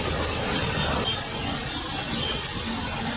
kota yang terkenal dengan